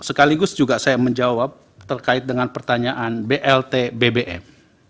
sekaligus juga saya menjawab terkait dengan pertanyaan blt bbm